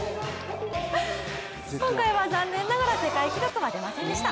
今回は残念ながら世界記録は出ませんでした。